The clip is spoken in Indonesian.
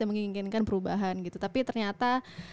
menginginkan perubahan gitu tapi ternyata